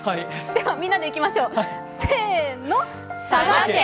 ではみんなでいきましょう、せーの佐賀県！